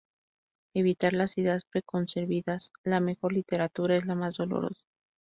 Evitar las ideas preconcebidas, la mejor literatura es la más dolorosa.